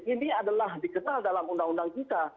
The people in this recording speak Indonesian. ini adalah dikenal dalam undang undang kita